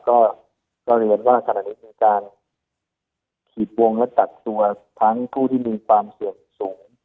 ก็เรียนว่าขณะนี้มีการขีดวงและกักตัวทั้งผู้ที่มีความเสี่ยงสูง